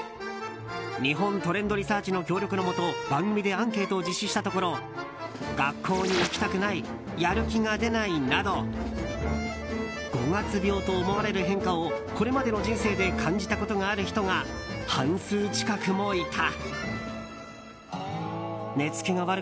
日本トレンドリサーチの協力のもと番組でアンケートを実施したところ学校に行きたくないやる気が出ないなど五月病と思われる変化をこれまでの人生で感じたことがある人が半数近くもいた。